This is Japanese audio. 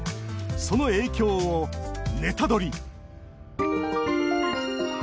その影響をネタドリ！